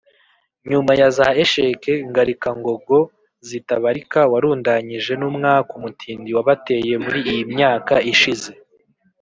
nyuma ya za echecs ngarikangogo zitabarika warundanyije n'umwaku mutindi wabateye muri iyi myaka ishize.